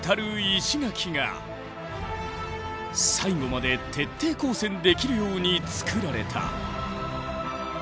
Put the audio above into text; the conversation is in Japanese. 最後まで徹底抗戦できるようにつくられた。